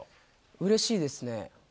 うれしいですね。